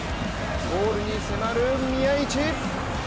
ゴールに迫る宮市！